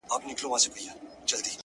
زخمي ـ زخمي سترګي که زما وویني!!